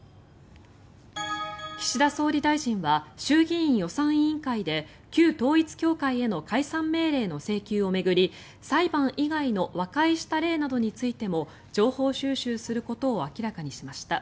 岸田総理大臣は衆議院予算委員会で旧統一教会への解散命令の請求を巡り裁判以外の和解した例などについても情報収集することを明らかにしました。